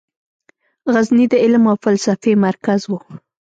غزني د علم او فلسفې مرکز و.